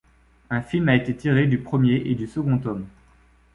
Un film a été tiré du premier et du second tomes.